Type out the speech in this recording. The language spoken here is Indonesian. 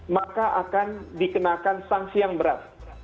maka akan dikenakan sanksi yang berat